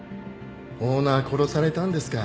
オーナー殺されたんですか。